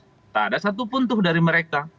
tidak ada satu puntuh dari mereka